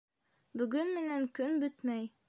Бөгөн менән көн бөтмәй.